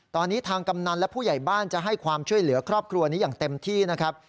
ตอนนี้ทางกำนันและผู้ใหญ่บ้านจะให้ความช่วยเหลือครอบครัวนี้อย่างเต็มที่นะครับ